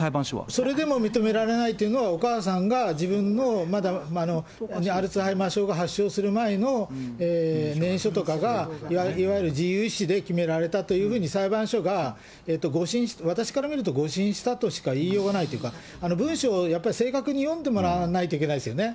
それでも認められないというのは、お母さんが、自分のアルツハイマー症が発症する前の念書とかが、いわゆる自由意思で決められたというふうに裁判所が誤審、私から見ると誤審したとしか言いようがないというか、文書をやっぱり正確に読んでもらわないといけないですよね。